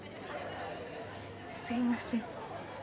すいません。